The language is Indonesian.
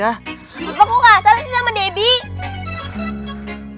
bapak gue nggak asal ini sama debi